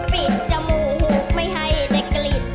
ปิดจมูกไม่ให้ได้กลิ่น